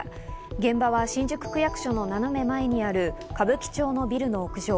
現場は新宿区役所の斜め前にある歌舞伎町のビルの屋上。